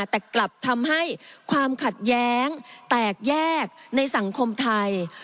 แต่กลับทำให้ความขัดแย้งแตกแยกในสังคมไทย